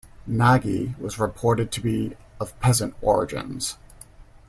Nagy was reported to be of peasant origins.